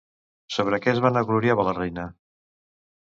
Sobre què es vanagloriava la reina?